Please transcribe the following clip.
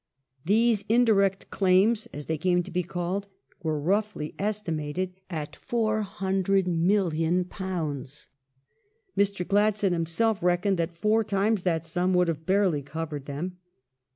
These "indirect claims," as they came to be called, were roughly estimated at £400,000,000. Mr. Gladstone himself reckoned that four times that sum would have barely covered them.